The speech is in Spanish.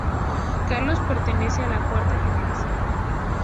Carlos pertenece a la cuarta generación.